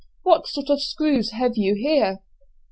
What sort of 'screws' have you here?"